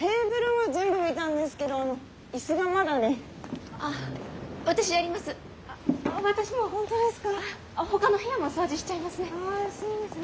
はいすいません。